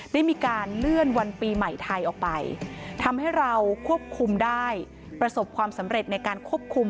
ได้มีการเลื่อนวันปีใหม่ไทยออกไปทำให้เราควบคุมได้ประสบความสำเร็จในการควบคุม